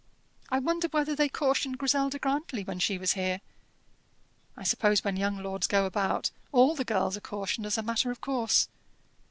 I wonder whether they cautioned Griselda Grantly when she was here? I suppose when young lords go about, all the girls are cautioned as a matter of course.